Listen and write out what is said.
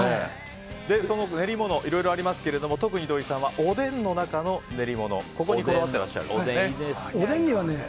その練り物いろいろありますけども特に土井さんはおでんの中の練り物ここにこだわっていらっしゃるんですよね。